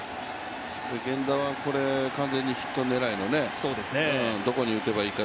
源田は完全にヒット狙いの、どこに打てばいいか。